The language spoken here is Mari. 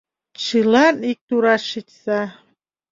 Чылан ик тураш шичса.